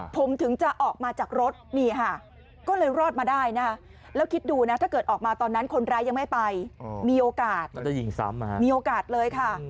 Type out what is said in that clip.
ผมถึงจะออกมาจากรถนี่ค่ะก็เลยรอดมาได้นะคะแล้วคิดดูนะถ้าเกิดออกมาตอนนั้นคนร้ายยังไม่ไปมีโอกาสยิงซ้ำมีโอกาสเลยค่ะ